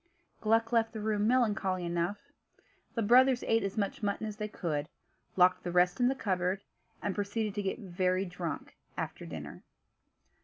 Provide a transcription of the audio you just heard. Gluck left the room melancholy enough. The brothers ate as much mutton as they could, locked the rest in the cupboard and proceeded to get very drunk after dinner.